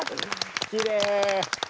きれい。